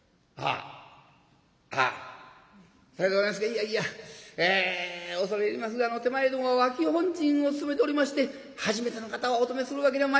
いやいやえ恐れ入りますが手前ども脇本陣を務めておりまして初めての方をお泊めするわけにはまいりませんので。